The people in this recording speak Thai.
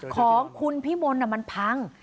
ของคุณพิมนต์มันพัง